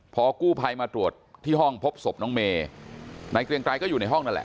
พอกู้ภัยมาตรวจที่ห้องพบศพน้องเมนายเกรียงไกรก็อยู่ในห้องนั่นแหละ